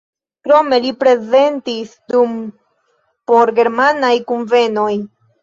Krome li prezentis dum por-germanaj kunvenoj.